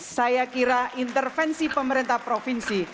saya kira intervensi pemerintah provinsi